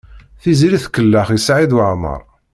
Tiziri tkellex i Saɛid Waɛmaṛ.